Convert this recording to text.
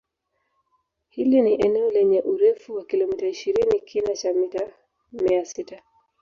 Hili ni eneo lenye urefu wa kilometa ishirini kina cha mita mia sita